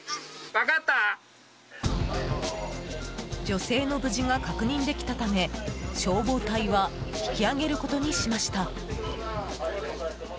女性の無事が確認できたため消防隊は引き揚げることにしました。